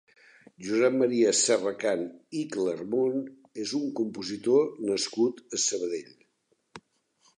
Josep Maria Serracant i Clermont és un compositor nascut a Sabadell.